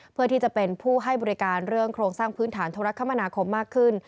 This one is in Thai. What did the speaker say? เพื่อที่จะเป็นผู้ให้บริการเรื่องโครงสร้างพื้นฐานธุรคมนาคมมากขึ้น